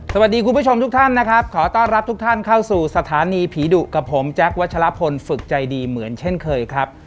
คุณผู้ชมทุกท่านนะครับขอต้อนรับทุกท่านเข้าสู่สถานีผีดุกับผมแจ๊ควัชลพลฝึกใจดีเหมือนเช่นเคยครับ